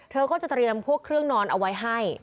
เธอก็จะเตรียมพวกเครื่องนอนเอาไว้ให้